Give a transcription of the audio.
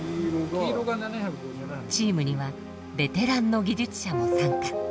チームにはベテランの技術者も参加。